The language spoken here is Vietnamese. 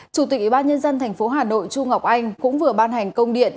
chủ tịch ủy ban nhân dân thành phố hà nội chu ngọc anh cũng vừa ban hành công điện